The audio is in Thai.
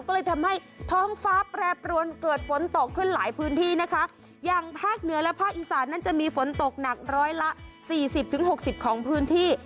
ก็เลยทำให้ท้องฟ้าแปรปรวนเกิดฝนตกขึ้นหลายพื้นที่นะคะอย่างภาคเหนือและภาคอีสานนั้นจะมีฝนตกหนักร้อยละสี่สิบถึงหกสิบของพื้นที่